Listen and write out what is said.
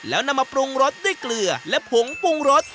แล้วนำมาปรุงรสด้วยเกลือและผงปรุงรส